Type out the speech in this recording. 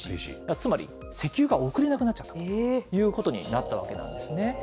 つまり、石油が送れなくなっちゃったということなんですね。